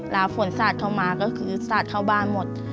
แล้วฝนสาดเข้ามาก็คือสาดเข้าบ้านหมด